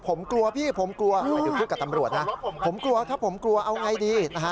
ผมกลัวพี่ผมกลัวถ้าผมกลัวเอาอย่างไรดี